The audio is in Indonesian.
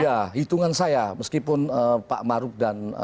ya hitungan saya meskipun pak maruf dan